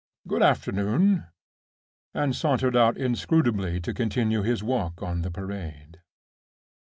Good afternoon!" and sauntered out inscrutably to continue his walk on the Parade.